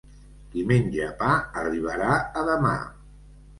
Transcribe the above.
Qui menja pa arribarà a demà.